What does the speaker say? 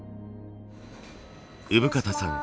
生方さん